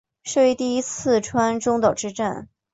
是为第一次川中岛之战。